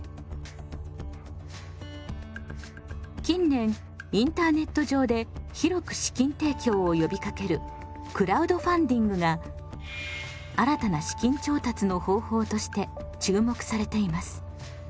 近年インターネット上で広く資金提供を呼びかけるクラウドファンディングが新たな資金調達の方法として注目されています。